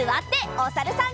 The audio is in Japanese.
おさるさん。